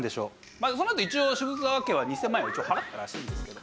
そのあと一応渋沢家は２０００万円を一応払ったらしいですけど。